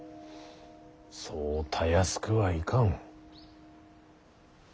そうたやすくはいかん。